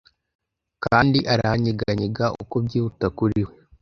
Kandi aranyeganyega uko byihuta kuri we.